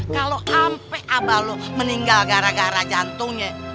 kalo ampe abah lu meninggal gara gara jantungnya